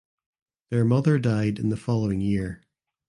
Their mother died in the following year.